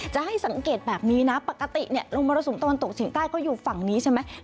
จะให้สังเกตแบบนี้นะปกติลมมรสุมตะวันตกเฉียงใต้ก็อยู่ฝั่งนี้ใช่ไหม